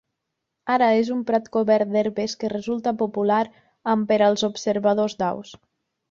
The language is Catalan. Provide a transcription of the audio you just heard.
Ara és un prat cobert d'herbes que resulta popular amb per als observadors d'aus.